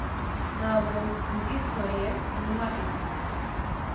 Ntabwo ngizoe kunywa ibi.